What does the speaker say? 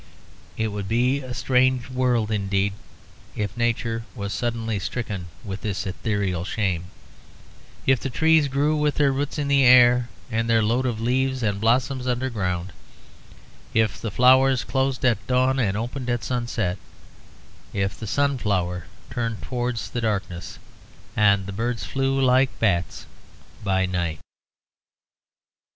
It would be a strange world indeed if Nature was suddenly stricken with this ethereal shame, if the trees grew with their roots in the air and their load of leaves and blossoms underground, if the flowers closed at dawn and opened at sunset, if the sunflower turned towards the darkness, and the birds flew, like bats, by night.